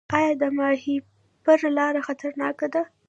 آیا د ماهیپر لاره خطرناکه ده؟